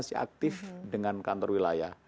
di denpasar ya